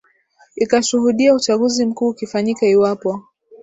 ikashuhudia uchaguzi mkuu ukifanyika iwapo